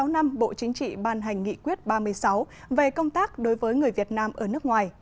sáu năm bộ chính trị ban hành nghị quyết ba mươi sáu về công tác đối với người việt nam ở nước ngoài